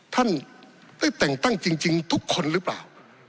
ท่านได้แต่งตั้งจริงทุกคนหรือเปล่า